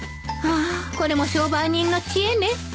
ああこれも商売人の知恵ね